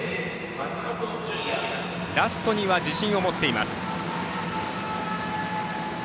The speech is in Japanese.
松本純弥ラストには自信を持っています。